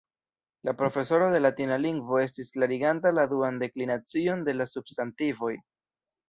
La profesoro de latina lingvo estis klariganta la duan deklinacion de la substantivoj.